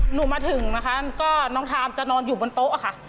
หนูมาถึงนะคะก็น้องทามจะนอนอยู่บนโต๊ะค่ะ